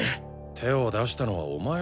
手を出したのはお前だろう？